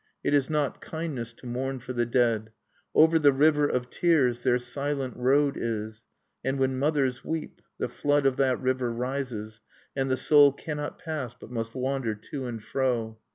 it is not kindness to mourn for the dead. Over the River of Tears(3) their silent road is; and when mothers weep, the flood of that river rises, and the soul cannot pass, but must wander to and fro.